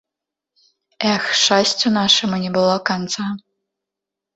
Эх, шчасцю нашаму не было канца.